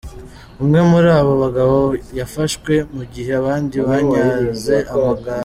Umwe muri abo bagabo yafashwe mu gihe abandi banyaze amagara.